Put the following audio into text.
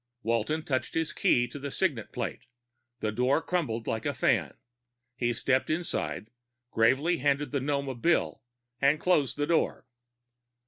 Walton touched his key to the signet plate; the door crumpled like a fan. He stepped inside, gravely handed the gnome a bill, and closed the door.